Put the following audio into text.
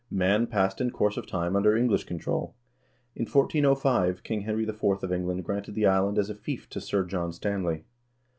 Man passed in course of time under English control. In 1405 King Henry IV. of England granted the island as a fief to Sir John Stanley.